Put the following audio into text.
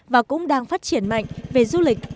và cũng đang phát triển mạnh về du lịch